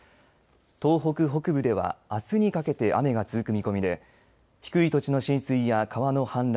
東北北部ではあすにかけて雨が続く見込みで低い土地の浸水や川の氾濫